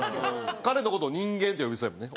彼の事を「人間」って呼びそうやもんね。